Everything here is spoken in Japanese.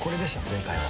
正解は。